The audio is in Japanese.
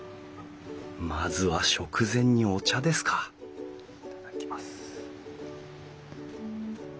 まずは食前にお茶ですか頂きます。